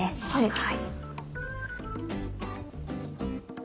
はい。